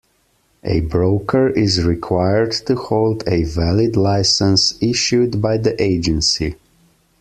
A broker is required to hold a valid licence issued by the Agency.